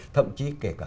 thậm chí kể cả